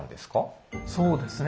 そうですね。